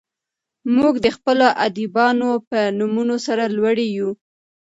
موږ د خپلو ادیبانو په نومونو سر لوړي یو.